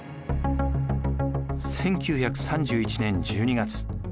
１９３１年１２月。